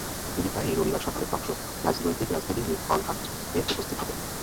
তিনি প্রায়ই রবিবার সকালের টক শো "রাজনৈতিক রাজধানী উইথ আল হান্ট" এ উপস্থিত হতেন।